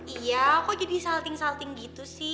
iya kok jadi salting salting gitu sih